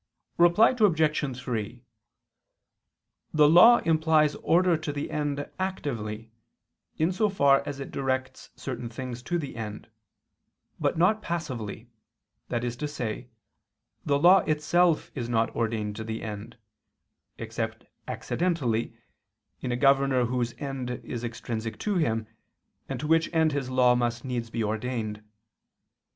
Reply Obj. 3: The law implies order to the end actively, in so far as it directs certain things to the end; but not passively that is to say, the law itself is not ordained to the end except accidentally, in a governor whose end is extrinsic to him, and to which end his law must needs be ordained.